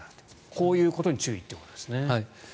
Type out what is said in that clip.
こういうことに注意ということですね。